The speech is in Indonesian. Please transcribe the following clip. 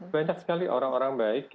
banyak sekali orang orang baik